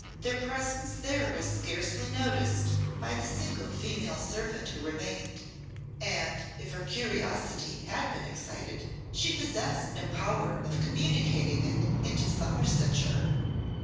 Their presence there was scarcely noticed by the single female servant who remained; and, if her curiosity had been excited, she possessed no power of communicating it into Somersetshire.